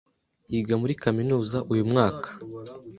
yiga muri Kaminuza uyu mwaka